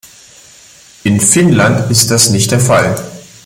In Finnland ist das nicht der Fall.